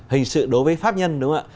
hình sự đối với pháp nhân đúng không ạ